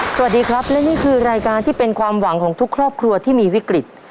สวัสดีครับและนี่คือรายการที่เป็นความหวังของทุกครอบครัวที่มีวิกฤต